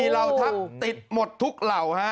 เหล่าทัพติดหมดทุกเหล่าฮะ